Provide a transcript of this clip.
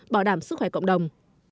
bảo đảm sức khỏe cộng đồng